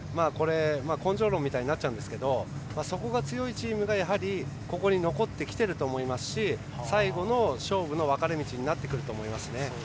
根性論みたいになっちゃうんですけどそこが強いチームがここに残ってきてると思いますし最後の勝負の分かれ道になってくると思いますね。